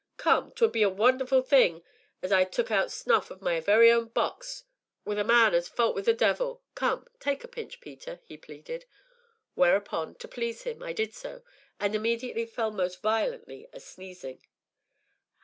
"Come, 'twould be a wonnerful thing to tell as I'd took snuff out o' my very own box wi' a man as 'ad fou't wi' the devil come tak' a pinch, Peter," he pleaded. Whereupon, to please him, I did so, and immediately fell most violently a sneezing.